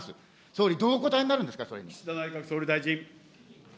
総理、どうお答えになるんですか、それに。